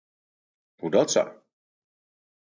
Hoedatsa?